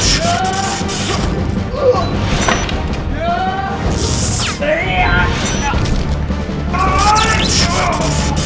hal ini saya bersarankan